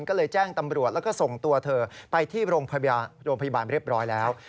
ก็เลยแจ้งตำรวจแล้วก็ส่งตัวเธอไปที่โรงพยาบาลเรียบร้อยแล้ว